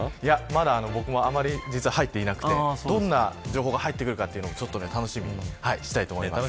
まだ僕もあまり実は入っていなくてどんな情報が入ってくるかも楽しみにしたいと思います。